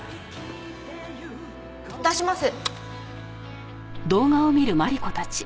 出します。